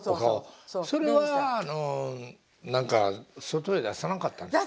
それはあの何か外へ出さなかったんですか？